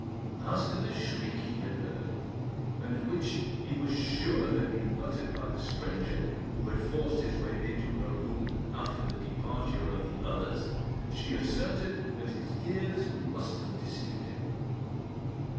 As to the shriek he had heard, and which he was sure had been uttered by the stranger who had forced his way into her room after the departure of the others, she asserted that his ears must have deceived him.